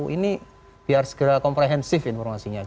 ini biar segera komprehensif informasinya